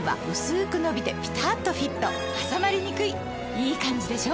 いいカンジでしょ？